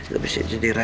ga bisa jadi raja